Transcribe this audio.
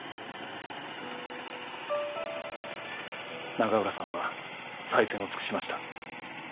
永浦さんは最善を尽くしました。